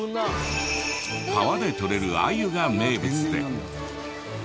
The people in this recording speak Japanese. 川でとれるアユが名物で。